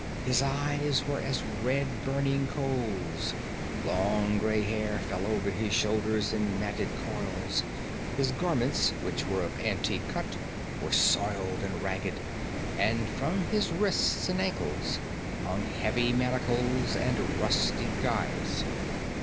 His eyes were as red burning coals; long grey hair fell over his shoulders in matted coils; his garments, which were of antique cut, were soiled and ragged, and from his wrists and ankles hung heavy manacles and rusty gyves.